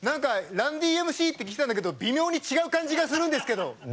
ＲＵＮ‐Ｄ．Ｍ．Ｃって聞いてたのに微妙に違う感じがするんですけど。